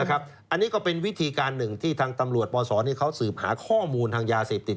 อันนี้ก็เป็นวิธีการหนึ่งที่ทางตำรวจปศเขาสืบหาข้อมูลทางยาเสพติด